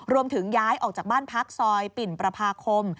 รวมถึงย้ายออกจากบ้านพักซอยปิ่นประพาคม